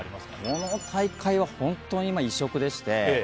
この大会はホントに異色でして。